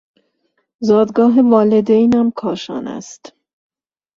زادگاه والدینم کاشان است.